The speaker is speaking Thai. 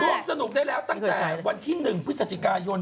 ร่วมสนุกได้แล้วตั้งแต่วันที่๑พฤศจิกายน